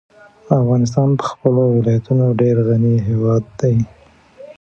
افغانستان په خپلو ولایتونو ډېر غني هېواد دی.